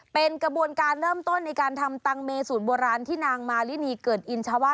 เป็นกระบวนการเริ่มต้นในการทำตังเมสูตรโบราณที่นางมารินีเกิดอินชาวา